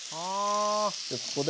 でここで。